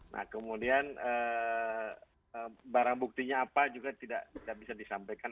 nah kemudian barang buktinya apa juga tidak bisa disampaikan